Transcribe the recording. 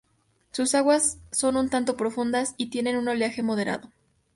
Sus aguas son un tanto profundas y tienen un oleaje moderado.